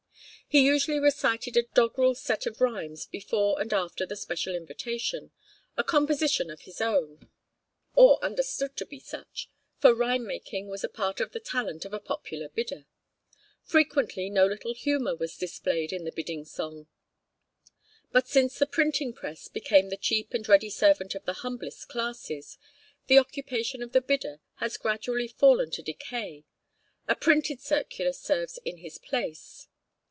He usually recited a doggerel set of rhymes before and after the special invitation a composition of his own, or understood to be such, for rhyme making was a part of the talent of a popular bidder. Frequently no little humour was displayed in the bidding song. But since the printing press became the cheap and ready servant of the humblest classes, the occupation of the bidder has gradually fallen to decay; a printed circular serves in his place.